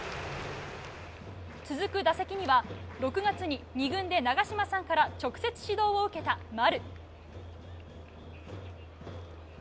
続く打席には、６月に２軍で長嶋さんから直接指導を受けた丸。